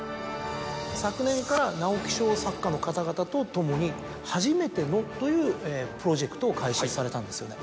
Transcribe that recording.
昨年から直木賞作家の方々と共に『はじめての』というプロジェクトを開始されたんですよね。